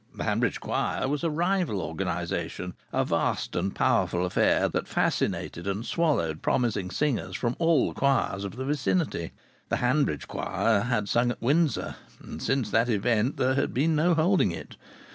The Hanbridge Choir was a rival organization, a vast and powerful affair that fascinated and swallowed promising singers from all the choirs of the vicinity. The Hanbridge Choir had sung at Windsor, and since that event there had been no holding it.